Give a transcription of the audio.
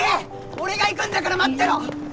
俺が行くんだから待ってろ！